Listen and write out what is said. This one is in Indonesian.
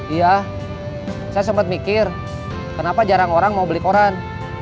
iya saya sempat mikir kenapa jarang orang mau beli koran